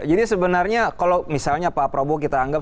jadi sebenarnya kalau misalnya pak prabowo kita anggap